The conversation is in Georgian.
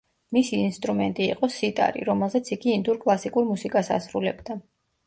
მისი ინსტრუმენტი იყო სიტარი, რომელზეც იგი ინდურ კლასიკურ მუსიკას ასრულებდა.